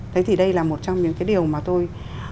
thế thì đây là một trong những cái điều mà tôi